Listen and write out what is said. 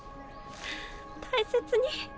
大切に。